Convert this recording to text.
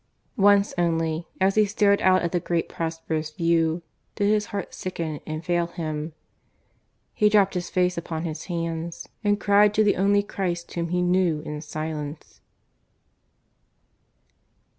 ... Once only, as he stared out at the great prosperous view, did his heart sicken and fail him. He dropped his face upon his hands, and cried to the only Christ whom he knew in silence.